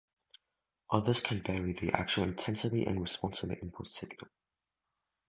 Others can vary the actual intensity in response to the input signal.